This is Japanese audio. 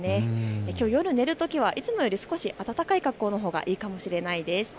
きょう夜寝るときはいつもより少し暖かい格好のほうがいいかもしれないです。